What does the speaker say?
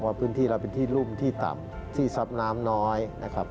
พื้นที่เราเป็นที่รุ่มที่ต่ำที่ซับน้ำน้อยนะครับ